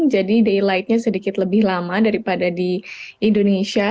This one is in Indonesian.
jadi daylightnya sedikit lebih lama daripada di indonesia